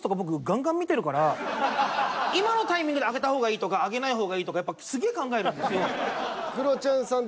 僕今のタイミングで上げた方がいいとか上げない方がいいとかやっぱすげぇ考えるんですよ。